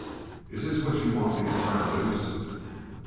"Is this what you want me to turn loose?"